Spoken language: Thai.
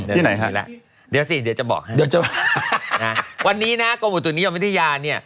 ที่ไหนคะเดี๋ยวสิเดี๋ยวจะบอกให้วันนี้นะกรมอุตุนิยมวิทยาเนี่ย